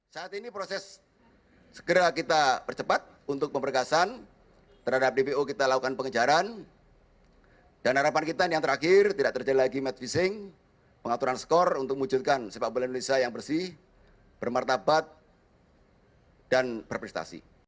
dari hasil penangkapan enam tersangka polisi turut mengamankan barang bukti seperti ponsel kartu atm dan bukti bukti transaksi lainnya